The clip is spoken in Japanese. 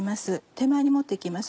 手前に持って行きます。